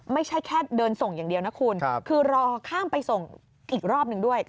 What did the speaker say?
ไม่ใช่แค่เดินส่งอย่างเดียวนะคุณคือรอข้ามไปส่งอีกรอบหนึ่งด้วย